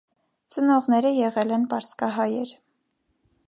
Ծնողները եղել են պարսկահայեր։